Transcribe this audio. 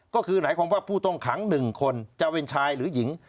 ก็คือหมายความว่าผู้ต้องขัง๑คนจะเป็นชายหรือหญิง